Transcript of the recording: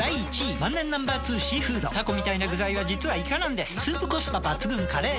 万年Ｎｏ．２「シーフード」タコみたいな具材は実はイカなんですスープコスパ抜群「カレー」！